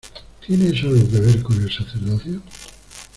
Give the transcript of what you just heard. ¿ tiene eso algo que ver con el sacerdocio?